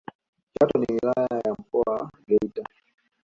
chato ni wilaya ya mkoa wa geita